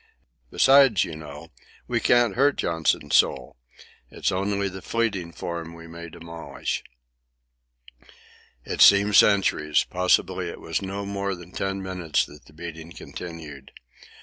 Besides, you know, we can't hurt Johnson's soul. It's only the fleeting form we may demolish." It seemed centuries—possibly it was no more than ten minutes that the beating continued.